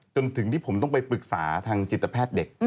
จนถึงที่ผมต้องไปปรึกษาทางจิตแพทย์เด็ก